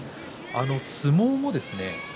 相撲もですね